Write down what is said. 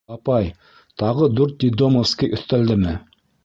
— Апай, тағы дүрт детдомовский өҫтәлдеме?